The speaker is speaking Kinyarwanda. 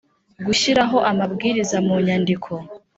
gushyiraho amabwiriza mu nyandiko